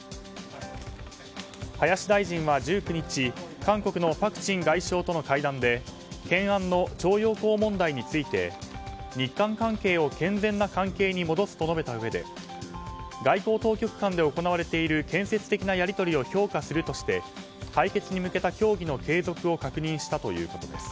林大臣は、１９日韓国のパク・チン外相との会談で懸案の徴用工問題について日韓関係を健全な関係に戻すと述べたうえで外交当局間で行われている建設的なやり取りを評価するとして解決に向けた協議の継続を確認したということです。